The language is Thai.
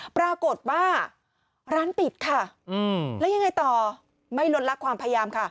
ปรากฏว่าร้านปิดค่ะแล้วยังไงต่อไม่ลดลักความพยายามค่ะ